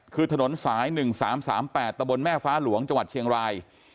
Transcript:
คือถนนสายหนึ่งสามสามแปดตะบลแม่ฟ้าหลวงจังหวัดเชียงราย